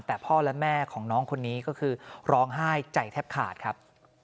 แต่พ่อและแม่ของน้องคนนี้ก็คือร้องไห้ใจแทบขาดครับ